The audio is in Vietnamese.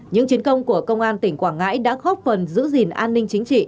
những chiến công của công an tỉnh quảng ngãi đã góp phần giữ gìn an ninh chính trị